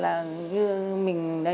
vâng tự nhiên đúng rồi